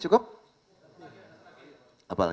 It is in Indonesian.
mungkin kalau itu tadi terpenjelkan lagi